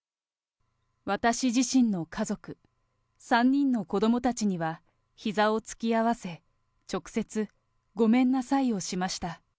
私自身の家族、３人の子どもたちには、ひざを突き合わせ、直接ごめんなさいをしました。